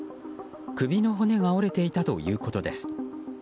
首の骨が折れていたということです。